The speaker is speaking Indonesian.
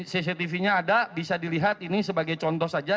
cctv nya ada bisa dilihat ini sebagai contoh saja